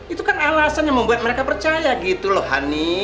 itu kan alasan yang membuat mereka percaya gitu loh hani